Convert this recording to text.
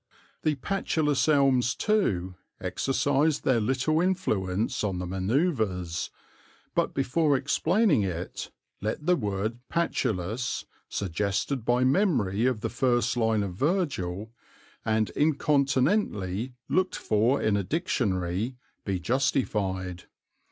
The patulous elms, too, exercised their little influence on the manoeuvres, but before explaining it, let the word "patulous," suggested by memory of the first line of Virgil, and incontinently looked for in a dictionary, be justified.